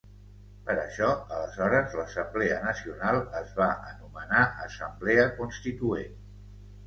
Per això aleshores l'Assemblea Nacional es va anomenar Assemblea Constituent.